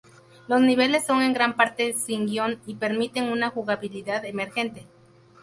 Los niveles son en gran parte sin guion, y permiten una jugabilidad emergente.